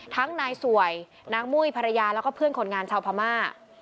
ทั้งนายสวยนางมุ้ยภรรยาแล้วก็เพื่อนคนงานชาวพม่า